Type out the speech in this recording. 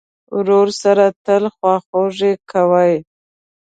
ورور سره تل خواخوږي کوې.